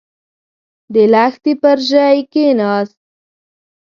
د لښتي پر ژۍکېناست.